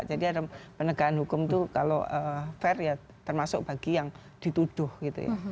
jadi ada penegakan hukum itu kalau fair ya termasuk bagi yang dituduh gitu ya